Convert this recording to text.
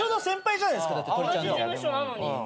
同じ事務所なのに。